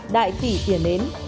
đại tỷ tiền nến